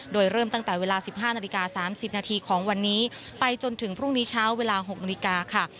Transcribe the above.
โดยเริ่มตั้งแต่เวลา๑๕นาฬิกา๓๐นาทีของวันนี้ไปจนถึงพรุ่งนี้เช้าเวลา๖นาฬิกาค่ะ